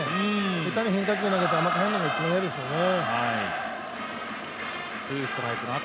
下手に変化球投げて甘く入るのが嫌ですよね。